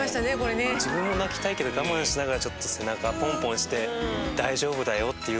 自分も泣きたいけど我慢しながらちょっと背中ポンポンして大丈夫だよっていうのが。